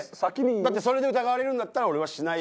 ・だってそれで疑われるんだったら俺はしない。